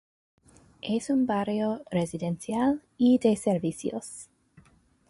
Es un barrio residencial y de servicios.